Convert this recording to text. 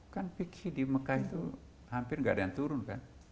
kan fikih di mekah itu hampir gak ada yang turun kan